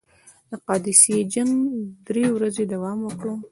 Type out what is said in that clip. د قادسیې جنګ درې ورځې دوام وکړ.